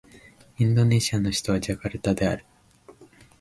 インドネシアの首都はジャカルタである